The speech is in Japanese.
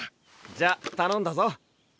じゃあたのんだぞ。